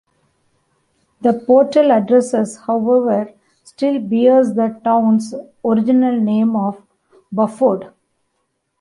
The postal addresses, however, still bears the town's original name of "Buford".